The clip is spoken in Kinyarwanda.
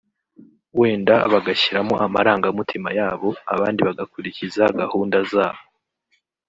wenda bagashyiramo amarangamutima yabo abandi bagakurikiza gahunda zabo